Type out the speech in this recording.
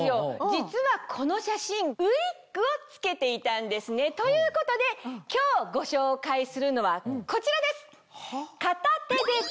実はこの写真ウィッグを着けていたんですね。ということで今日ご紹介するのはこちらです！